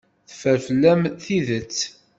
Teffer fell-am tidet.